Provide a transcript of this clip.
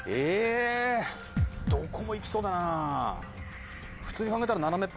どこも行きそうだな。